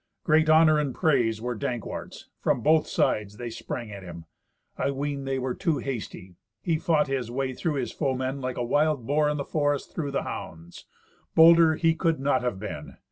Great honour and praise were Dankwart's. From both sides they sprang at him. I ween they were too hasty. He fought his way through his foemen like a wild boar in the forest through the hounds—bolder he could not have been.